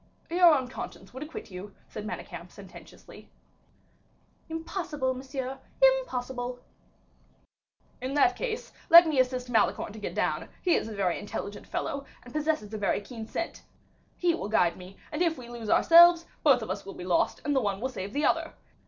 "Your own conscience would acquit you," said Manicamp, sententiously. "Impossible, monsieur, impossible." "In that case, let me assist Malicorne to get down; he is a very intelligent fellow, and possesses a very keen scent; he will guide me, and if we lose ourselves, both of us will be lost, and the one will save the other.